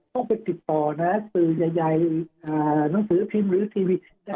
ต้องไปติดต่อนะสื่อใหญ่หนังสือพิมพ์หรือทีวี